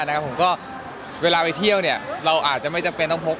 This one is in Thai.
ผมก็เวลาไปเที่ยวเนี่ยเราอาจจะไม่จำเป็นต้องพก